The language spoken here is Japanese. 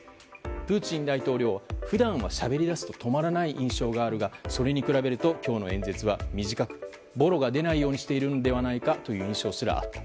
プーチン大統領は普段は、しゃべりだすと止まらない印象があるがそれに比べると今日の演説は短くボロが出ないようにしているのではないかという印象すらあった。